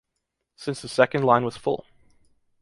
Since the second line was full.